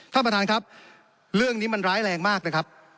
ท่านประธานครับเรื่องนี้มันร้ายแรงมากนะครับ